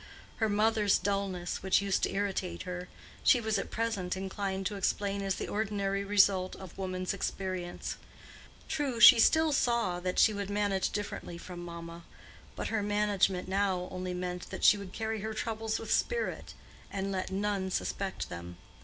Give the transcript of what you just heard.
Her mother's dullness, which used to irritate her, she was at present inclined to explain as the ordinary result of woman's experience. True, she still saw that she would "manage differently from mamma;" but her management now only meant that she would carry her troubles with spirit, and let none suspect them.